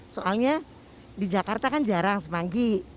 soalnya di jakarta kan jarang semanggi